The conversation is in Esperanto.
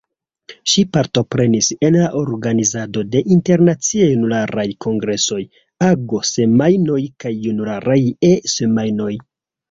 Ŝi partoprenis en la organizado de Internaciaj Junularaj Kongresoj, Ago-Semajnoj kaj Junularaj E-Semajnoj.